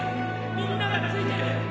みんなが付いてる！